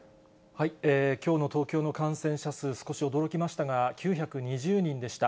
きょうの東京の感染者数、少し驚きましたが、９２０人でした。